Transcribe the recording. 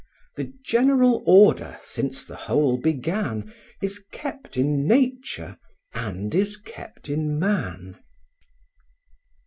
The general order, since the whole began, Is kept in nature, and is kept in man.